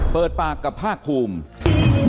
เปิดปากกับภาคภูมิ